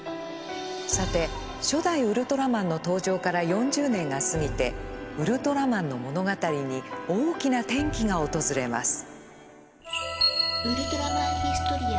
さて初代ウルトラマンの登場から４０年が過ぎて「ウルトラマン」の物語に大きな転機が訪れます。